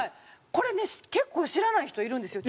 これね結構知らない人いるんですよ